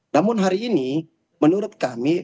namun hari ini menurut kami